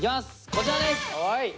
こちらです！